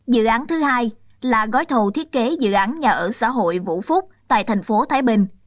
dự án thứ hai là gói thầu thiết kế dự án nhà ở xã hội vũ phúc tại thành phố thái bình